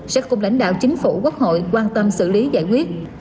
sẽ cùng lãnh đạo chính phủ quốc hội quan tâm xử lý giải quyết